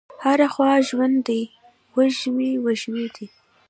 هره خوا ژوند دی وږمې، وږمې دي